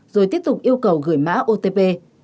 rồi tiếp tục yêu cầu gửi mã otp